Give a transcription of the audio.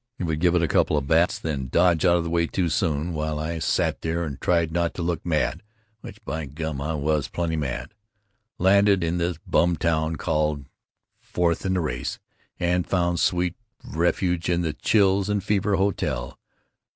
He would give it a couple of bats, then dodge out of the way too soon, while I sat there and tried not to look mad, which by gum I was plenty mad. Landed in this bum town, called ——, fourth in the race, and found sweet (?) refuge in this chills and fever hotel.